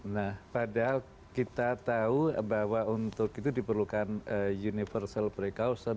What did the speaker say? nah padahal kita tahu bahwa untuk itu diperlukan universal precaution